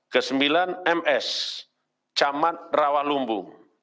kesembilan ms camat rawalumbu